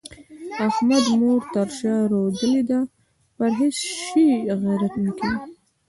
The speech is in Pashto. احمد مور تر شا رودلې ده؛ پر هيڅ شي غيرت نه کوي.